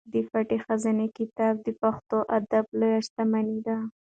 د پټې خزانې کتاب د پښتو ادب لویه شتمني ده.